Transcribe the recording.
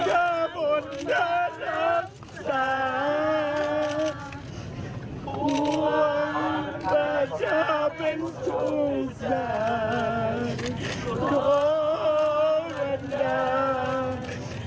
จงสนิทจากหวังว่ารหาหรือใด